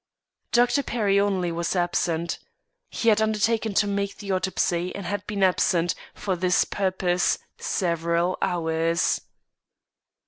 Dr. Perry only was absent. He had undertaken to make the autopsy and had been absent, for this purpose, several hours.